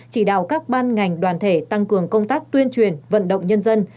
chỉ đạo các ban ngành đoàn thể tăng cường công tác tuyên truyền vận động nhân dân